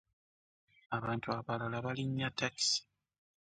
Abantu abalala balinya takisi.